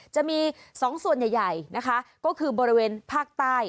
จะมี๒ส่วนใหญ่นะคะก็คือบริเวณภาคใต้